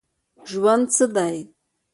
ژوند څه دی ؟